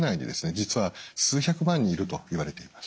実は数百万人いるといわれています。